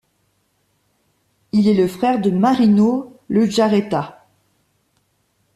Il est le frère de Marino Lejarreta.